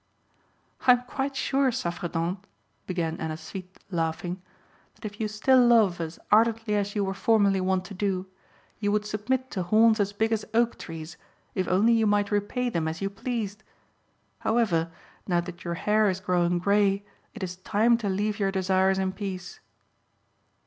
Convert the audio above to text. "I am quite sure, Saffredent," began Ennasuite laughing, "that if you still love as ardently as you were formerly wont to do, you would submit to horns as big as oak trees if only you might repay them as you pleased. However, now that your hair is growing grey, it is time to leave your desires in peace."